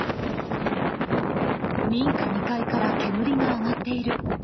民家２階から煙が上がっている。